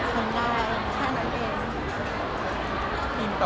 แต่มันก็มีบางประโยชน์ของคุณไง